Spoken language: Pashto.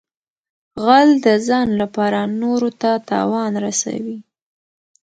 غل د ځان لپاره نورو ته تاوان رسوي